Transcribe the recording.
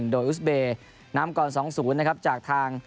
โดยอุสเบย์นำก่อน๒๐นะครับจากทาง